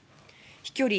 飛距離